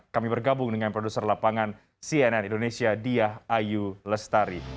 kami bergabung dengan produser lapangan cnn indonesia diah ayu lestari